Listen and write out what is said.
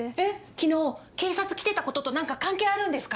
昨日警察来てたことと何か関係あるんですか？